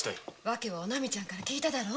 訳はお波ちゃんに聞いただろ？